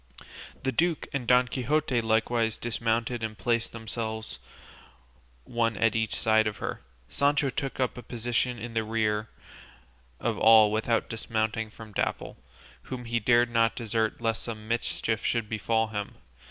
The duke and Don Quixote likewise dismounted and placed themselves one at each side of her. Sancho took up a position in the rear of all without dismounting from Dapple, whom he dared not desert lest some mischief should befall him.